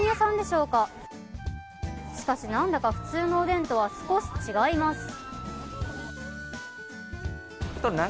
しかし何だか普通のおでんとは少し違います。